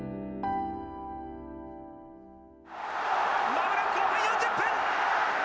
間もなく後半４０分！